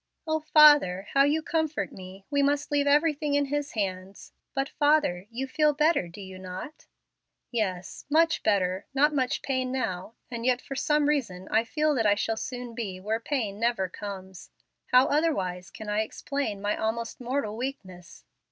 "O father, how you comfort me! We must leave everything in His hands. But, father, you feel better, do you not?" "Yes, much better; not much pain now; and yet for some reason I feel that I shall soon be where pain never comes. How otherwise can I explain my almost mortal weakness?"